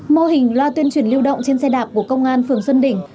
mô hình loa tuyên truyền lưu động trên xe đạp của công an phường xuân đỉnh